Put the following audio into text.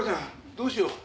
どうしよう？